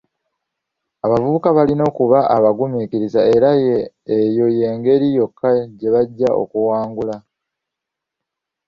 Abavubuka balina okuba abagumiikiriza era eyo y'engeri yokka gye bajja okuwangula.